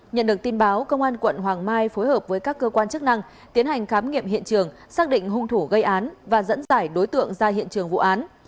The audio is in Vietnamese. nhận được tin báo công an quận hoàng mai phối hợp với các cơ quan chức năng tiến hành khám nghiệm hiện trường xác định hung thủ gây án và dẫn giải đối tượng ra hiện trường vụ án